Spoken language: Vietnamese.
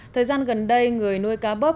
thời gian gần đây người nuôi cá bóp